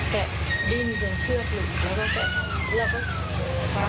แล้วก็แกะดินดวงเชือกหลุมแล้วก็แกะแล้วก็ช้า